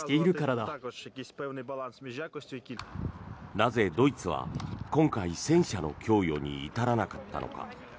なぜ、ドイツは今回戦車の供与に至らなかったのか。